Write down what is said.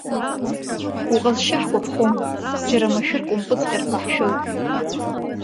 Уҟазшьа ҳгәаԥхом, џьара машәырк умпыҵҟьар ҳәа ҳшәоит!